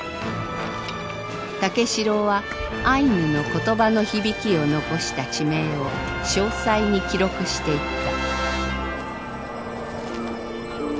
武四郎はアイヌの言葉の響きを残した地名を詳細に記録していった。